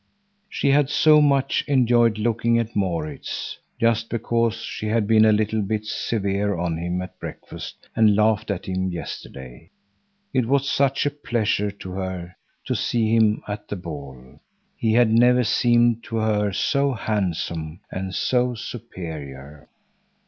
She had so much enjoyed looking at Maurits. Just because she had been a little bit severe to him at breakfast and laughed at him yesterday, it was such a pleasure to her to see him at the ball. He had never seemed to her so handsome and so superior.